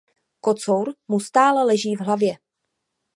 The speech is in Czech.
Kocour mu stále leží v hlavě.